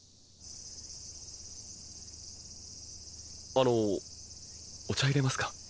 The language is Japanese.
あのお茶いれますか？